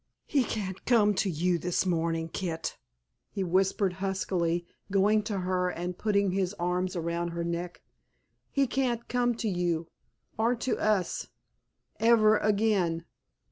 "He can't come to you this morning, Kit," he whispered huskily, going to her and putting his arms about her neck, "he can't come to you—or to us—ever again."